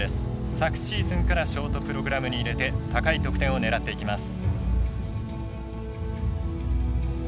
昨シーズンからショートプログラムに入れて高い得点を狙っていきます。